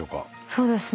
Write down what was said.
そうですね。